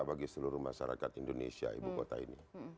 bagi seluruh masyarakat indonesia ibu kota ini